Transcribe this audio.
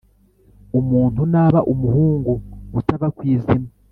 Umuntu naba umuhungu utava ku izima